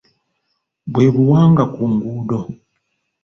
Bwe buwanga ku nguudo.